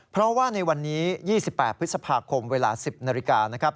เพราะว่าในวันนี้๒๘พฤษภาคมเวลา๑๐นาฬิกานะครับ